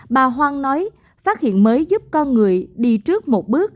bà hoang nói phát hiện mới giúp con người đi trước một bước